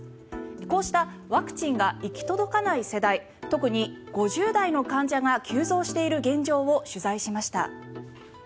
こうしたワクチンが行き届かない世代特に５０代の患者が急増している現状を取材しました。